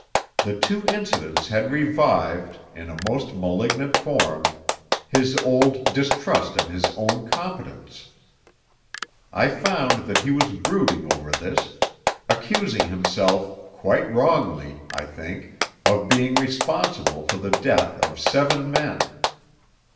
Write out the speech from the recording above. The two incidents had revived, in a most malignant form, his old distrust of his own competence. I found that he was brooding over this accusing himself, quite wrongly, I think, of being responsible for the death of seven men.